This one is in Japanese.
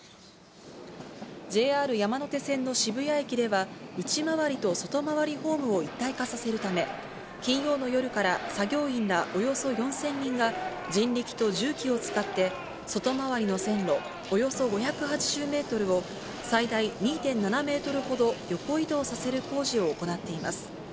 ＪＲ山手線の渋谷駅では、内回りと外回りホームを一体化させるため、金曜の夜から、作業員らおよそ４０００人が、人力と重機を使って、外回りの線路およそ５８０メートルを、最大２．７メートルほど横移動させる工事を行っています。